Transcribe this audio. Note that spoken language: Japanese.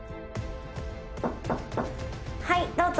・はいどうぞ。